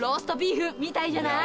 みたいじゃない？